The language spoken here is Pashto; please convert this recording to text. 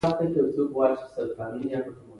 نږدې پينځلس کاله وړاندې مې په يوه کالج کې وينا وکړه.